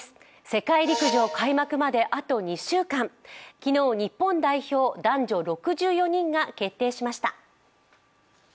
世界陸上開幕まであと２週間昨日日本代表男女６４人が決定しました。